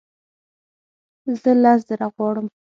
زه لس زره غواړم